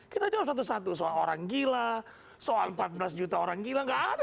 kita jawab satu satu soal orang gila soal empat belas juta orang gila nggak ada